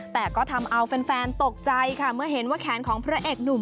แต่ก็ทำเอาแฟนตกใจค่ะเมื่อเห็นว่าแขนของพระเอกหนุ่ม